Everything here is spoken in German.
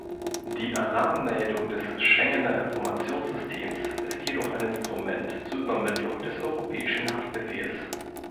Die Alarmmeldung des Schengener Informationssystems ist jedoch ein Instrument zur Übermittlung des Europäischen Haftbefehls.